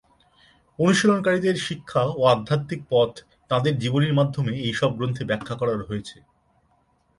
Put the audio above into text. অনুশীলনকারীদের শিক্ষা ও আধ্যাত্মিক পথ তাঁদের জীবনীর মাধ্যমে এই সব গ্রন্থে ব্যাখ্যা করা হয়েছে।